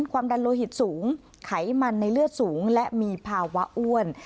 ความดันโลหิตสูงไขมันในเลือดสูงและมีภาวะอ้วน